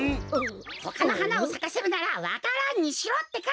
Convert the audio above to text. ほかのはなをさかせるならわか蘭にしろってか！